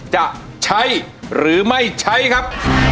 จะใช้หรือไม่ใช้ครับ